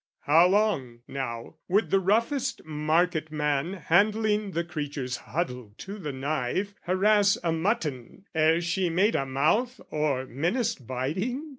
How long, now, would the roughest marketman, Handling the creatures huddled to the knife, Harass a mutton ere she made a mouth Or menaced biting?